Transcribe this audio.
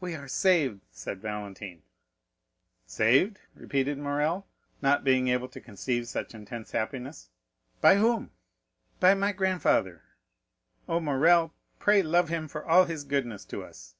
"We are saved!" said Valentine. "Saved?" repeated Morrel, not being able to conceive such intense happiness; "by whom?" "By my grandfather. Oh, Morrel, pray love him for all his goodness to us!"